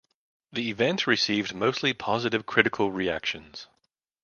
The event received mostly positive critical reactions.